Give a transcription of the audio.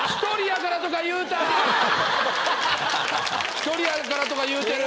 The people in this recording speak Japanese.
「１人やから？」とか言うてる。